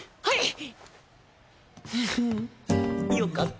はい！